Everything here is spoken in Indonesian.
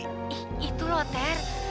ih itu loh ter